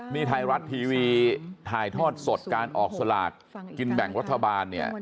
นี่ไทยรัฐทีวีถ่ายทอดสดการออกสลากกินแบ่งรัฐบาลเนี่ย